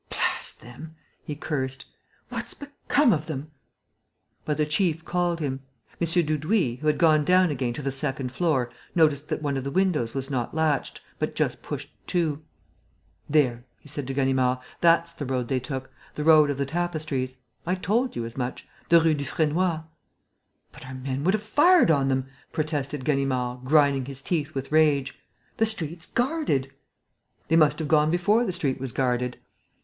"Blast them!" he cursed. "What's become of them?" But the chief called him. M. Dudouis, who had gone down again to the second floor, noticed that one of the windows was not latched, but just pushed to: "There," he said, to Ganimard, "that's the road they took, the road of the tapestries. I told you as much: the Rue Dufresnoy...." "But our men would have fired on them," protested Ganimard, grinding his teeth with rage. "The street's guarded." "They must have gone before the street was guarded."